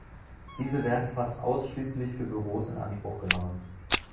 Diese werden fast ausschließlich für Büros in Anspruch genommen.